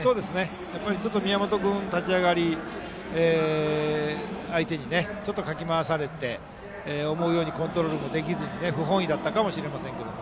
やっぱり宮本君が立ち上がり相手にかき回されて思うようにコントロールもできずに不本意だったかもしれませんけど。